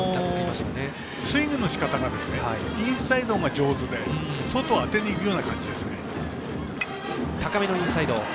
スイングのしかたがインサイドが上手で外は当てにいくような感じですね。